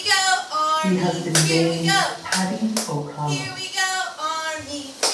He has been named Paddy O'Connell.